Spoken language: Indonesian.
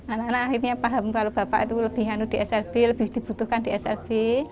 anak anak akhirnya paham kalau bapak itu lebih hanu di slb lebih dibutuhkan di slb